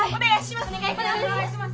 お願いします！